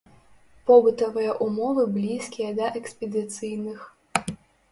Побытавыя умовы блізкія да экспедыцыйных.